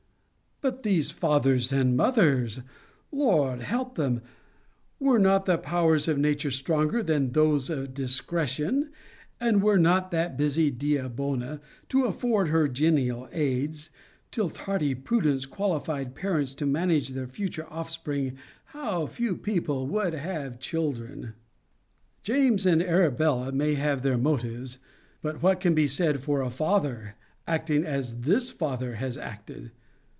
But these fathers and mothers Lord help 'em! Were not the powers of nature stronger than those of discretion, and were not that busy dea bona to afford her genial aids, till tardy prudence qualified parents to manage their future offspring, how few people would have children! James and Arabella may have their motives; but what can be said for a father acting as this father has acted?